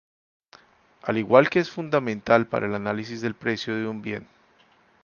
Al igual que es fundamental para el análisis del precio de un bien.